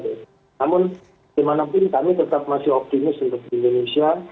namun kemana pun kami tetap masih optimis untuk indonesia